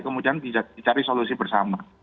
kemudian dicari solusi bersama